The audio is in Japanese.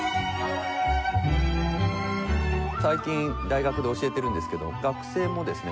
最近大学で教えているんですけど学生もですね